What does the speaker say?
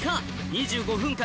２５分間